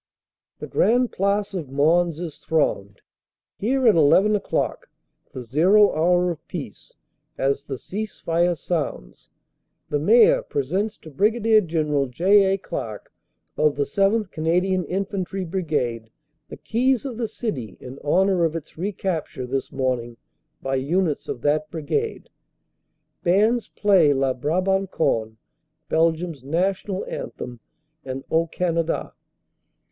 The Grande Place of Mons is thronged. Here at 1 1 o clock the "zero" hour of peace as the "Cease Fire!" sounds, the Mayor presents to Brig. General J. A. Clark of the 7th. Canadian Infantry Brigade the keys of the city in honor of its recapture this morning by units of that Brigade. Bands play "La Brabanconne," Belgium s national anthem, and "O Canada."